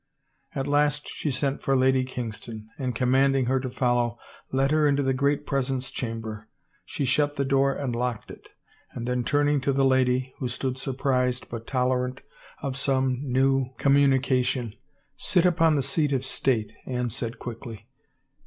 At last she sent for Lady Kingston, and commanding her to follow, led her into the great presence chamber. She shut the door and locked it, and then turning to the lady, who stood surprised but tolerant of some new com 381 THE FAVOR OF KINGS munication, " Sit upon the seat of state," Anne said quickly.